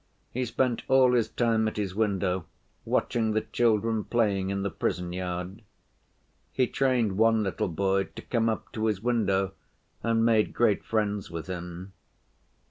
He spent all his time at his window, watching the children playing in the prison yard. He trained one little boy to come up to his window and made great friends with him....